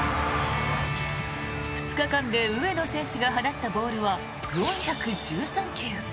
２日間で上野選手が放ったボールは４１３球。